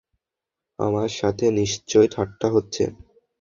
আমার সাথে নিশ্চয় ঠাট্টা হচ্ছে।